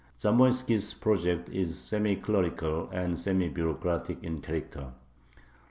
Zamoiski's project is semi clerical and semi bureaucratic in character.